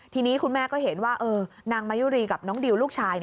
ทีนี้คุณแม่ก็เห็นว่านางมายุรีกับน้องดิวลูกชาย